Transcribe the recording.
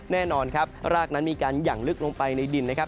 แน่นอนครับรากนั้นมีการหยั่งลึกลงไปในดินนะครับ